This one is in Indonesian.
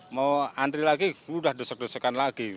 mau antri lagi udah desek desekan lagi